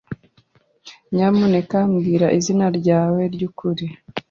Nyamuneka mbwira izina ryawe ryukuri.